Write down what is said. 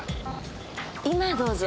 今どうぞ。